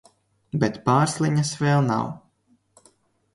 Bet Pārsliņas vēl nav...